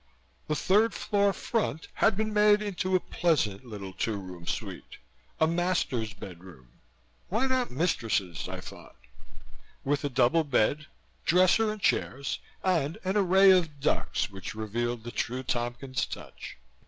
The third floor front had been made into a pleasant little two room suite a "master's bedroom" (Why not 'mistress's?' I thought) with a double bed, dresser and chairs, and an array of ducks which revealed the true Tompkins touch.